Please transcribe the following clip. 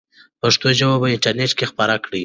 پښتو ژبه په انټرنیټ کې خپره کړئ.